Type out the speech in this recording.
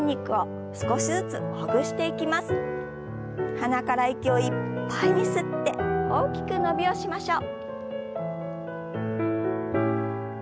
鼻から息をいっぱいに吸って大きく伸びをしましょう。